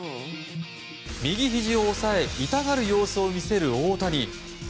右ひじを押さえ痛がる様子を見せる大谷。